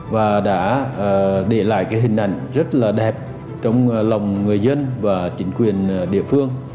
và đã để lại cái hình ảnh rất là đẹp trong lòng người dân và chính quyền địa phương